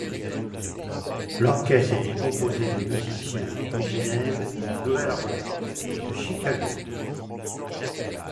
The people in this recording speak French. L'orchestre était composé de musiciens originaires de La Nouvelle-Orléans et de Chicago.